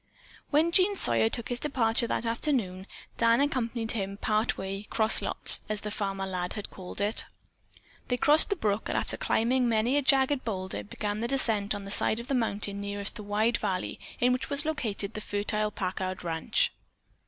When Jean Sawyer took his departure that afternoon, Dan accompanied him part way "cross lots," as the former lad had called it. They crossed the brook and after climbing many a jagged boulder, began the descent on the side of the mountain nearest the wide valley in which was located the fertile Packard ranch.